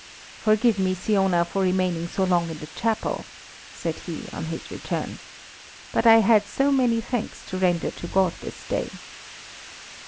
"Forgive me, Siona, for remaining so long in the chapel," said he, on his return; "but I had so many thanks to render to God this day."